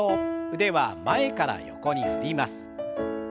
腕は前から横に振ります。